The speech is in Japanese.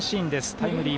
タイムリー